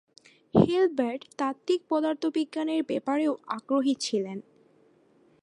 Hilbert তাত্ত্বিক পদার্থবিজ্ঞানের ব্যাপারেও আগ্রহী ছিলেন।